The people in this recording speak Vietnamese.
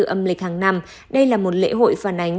âm lịch hàng năm đây là một lễ hội phản ánh